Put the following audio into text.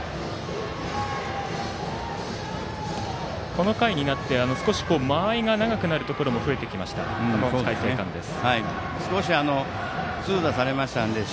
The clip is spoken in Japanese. この回になって少し間合いが長くなるところも増えてきました浜松開誠館です。